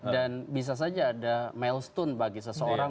dan bisa saja ada milestone bagi seseorang